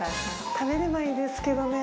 食べればいいですけどね。